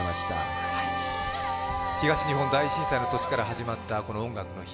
東日本大震災の年から始まった「音楽の日」。